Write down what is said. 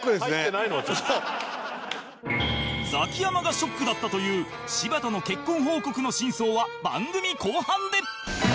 ザキヤマがショックだったという柴田の結婚報告の真相は番組後半で！